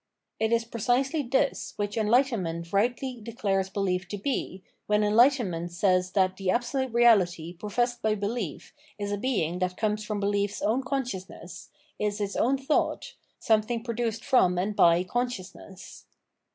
It is precisely this which enlightenment rightly declares belief to be, when enlightenment says that the Absolute Eeality professed by belief is a being that comes from belief's own consciousness, is its own thought, something produced from and by consciousness.